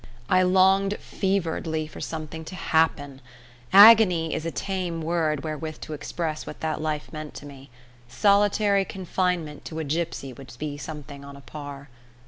I longed feveredly for something to happen. Agony is a tame word wherewith to express what that life meant to me. Solitary confinement to a gipsy would be something on a par.